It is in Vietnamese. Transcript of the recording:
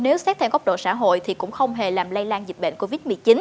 nếu xét theo góc độ xã hội thì cũng không hề làm lây lan dịch bệnh covid một mươi chín